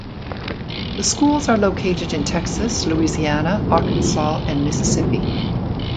The schools are located in Texas, Louisiana, Arkansas and Mississippi.